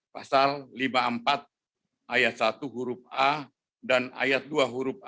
pasal lima puluh empat ayat satu huruf a dan ayat dua huruf a